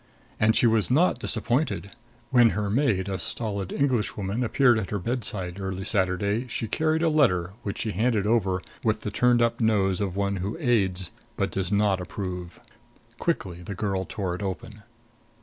And she was not disappointed. When her maid, a stolid Englishwoman, appeared at her bedside early Saturday she carried a letter, which she handed over, with the turned up nose of one who aids but does not approve. Quickly the girl tore it open.